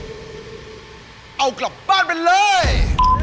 เอากลับบ้านไปเลย